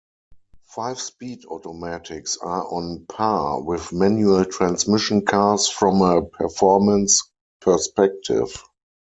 Five Speed automatics are on par with manual transmission cars from a performance perspective.